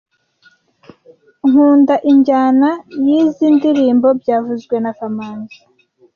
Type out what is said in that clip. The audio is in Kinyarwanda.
Nkunda injyana yizoi ndirimbo byavuzwe na kamanzi